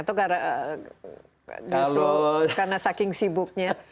atau karena justru karena saking sibuknya